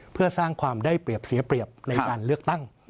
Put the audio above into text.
เพื่อสร้างความได้เปรียบเสียเปรียบในการเลือกตั้ง